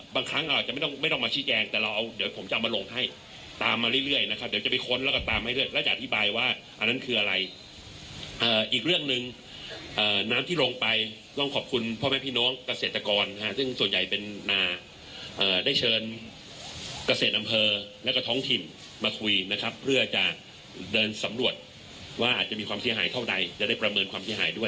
ครั้งเราอาจจะไม่ต้องไม่ต้องมาชี้แจงแต่เราเอาเดี๋ยวผมจะเอามาลงให้ตามมาเรื่อยนะครับเดี๋ยวจะไปค้นแล้วก็ตามให้ด้วยแล้วจะอธิบายว่าอันนั้นคืออะไรอีกเรื่องหนึ่งน้ำที่ลงไปต้องขอบคุณพ่อแม่พี่น้องเกษตรกรซึ่งส่วนใหญ่เป็นนาได้เชิญเกษตรอำเภอแล้วก็ท้องถิ่นมาคุยนะครับเพื่อจะเดินสำรวจว่าอาจจะมีความเสียหายเท่าใดจะได้ประเมินความเสียหายด้วย